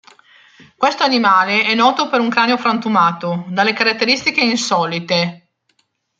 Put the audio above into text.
Questo animale è noto per un cranio frantumato, dalle caratteristiche insolite.